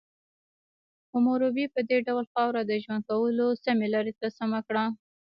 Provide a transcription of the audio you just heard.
حموربي په دې ډول خاوره د ژوند کولو سمې لارې ته سمه کړه.